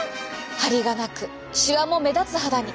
はりがなくしわも目立つ肌に。